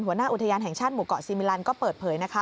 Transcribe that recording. หัวหน้าอุทยานแห่งชาติหมู่เกาะซีมิลันก็เปิดเผยนะคะ